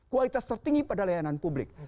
kualitas tertinggi pada layanan publik